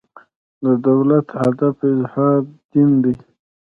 د دولت هدف اظهار دین دی.